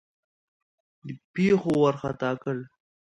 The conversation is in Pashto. پیښو وارخطا کړ.